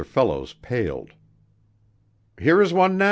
Fellows paled. "Here is one now."